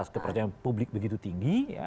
kepercayaan publik begitu tinggi